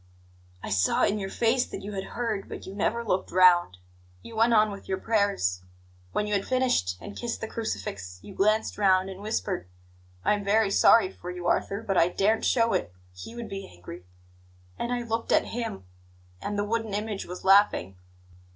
"I saw in your face that you had heard, but you never looked round; you went on with your prayers. When you had finished, and kissed the crucifix, you glanced round and whispered: 'I am very sorry for you, Arthur; but I daren't show it; He would be angry.' And I looked at Him, and the wooden image was laughing.